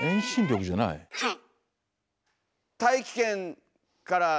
はい。